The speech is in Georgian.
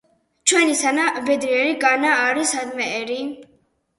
ჩვენისთანა ბედნიერი განა არის სადმე ერი?